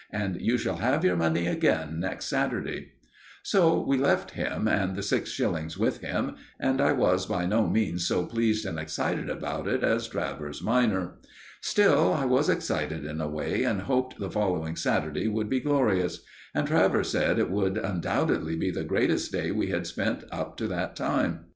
And you shall have your money again next Saturday." So we left him, and the six shillings with him, and I was by no means so pleased and excited about it as Travers minor. Still, I was excited in a way, and hoped the following Saturday would be glorious; and Travers said it would undoubtedly be the greatest day we had spent up to that time.